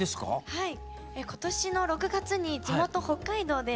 はい。